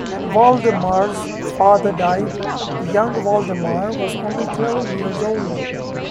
When Valdemar's father died, young Valdemar was only twelve years old.